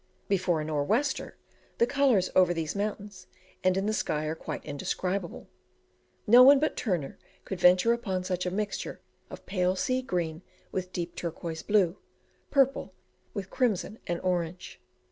Before a "nor' wester" the colours over these mountains and in the sky are quite indescribable; no one but Turner could venture upon such a mixture of pale sea green with deep turquoise blue, purple with crimson and orange.